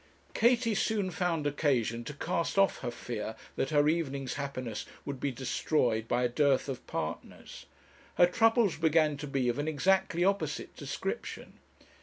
Katie soon found occasion to cast off her fear that her evening's happiness would be destroyed by a dearth of partners. Her troubles began to be of an exactly opposite description.